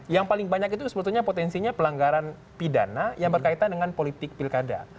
yang paling banyak itu sebetulnya potensinya pelanggaran pidana yang berkaitan dengan politik pilkada